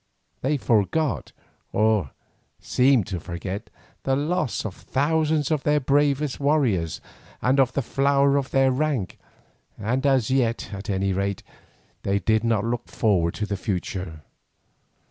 They forgot, or seemed to forget, the loss of thousands of their bravest warriors and of the flower of their rank, and as yet, at any rate, they did not look forward to the future.